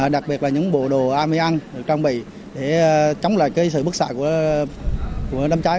đặc biệt là những bộ đồ ăn mới ăn được trang bị để chống lại sự bức xạ của đâm cháy